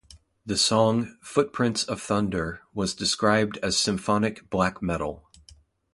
The song "Footprints of Thunder" was described as symphonic black metal.